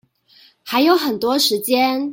還有很多時間